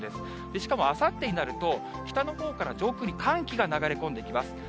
しかもあさってになると、北のほうから上空に寒気が流れ込んできます。